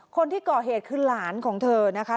คนที่ก่อเหตุคือหลานของเธอนะคะ